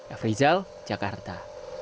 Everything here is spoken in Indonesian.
efri zal jakarta